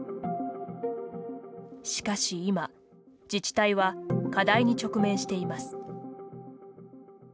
しかし今、自治体は課題に直面しています。